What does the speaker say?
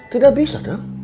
tidak bisa udah